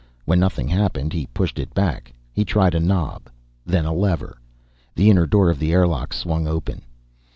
When nothing happened, he pushed it back. He tried a knob, then a lever. The inner door of the airlock swung open.